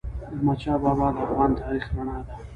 احمدشاه بابا د افغان تاریخ رڼا ده.